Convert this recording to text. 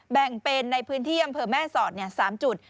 แบ่งเป็นในพื้นที่อำเภอแม่สอด๓จุด